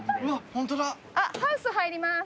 あっハウス入ります。